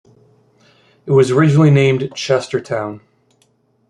It was originally named Chestertown.